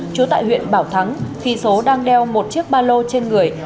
trú tại huyện bảo thắng khi số đang đeo một chiếc ba lô trên người